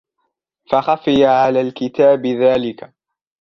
فَخَفِيَ عَلَى الْكَاتِبِ ذَلِكَ